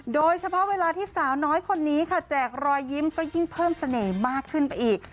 เวลาที่สาวน้อยคนนี้ค่ะแจกรอยยิ้มก็ยิ่งเพิ่มเสน่ห์มากขึ้นไปอีก